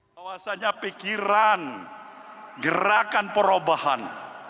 tawasannya pikiran gerakan perubahan